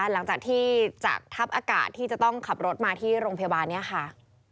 หลังจากทรัพย์อากาศที่จะต้องขับรถมาที่โรงพยาบาลเนี่ยค่ะ